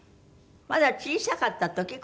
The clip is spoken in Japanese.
まだ小さかった時？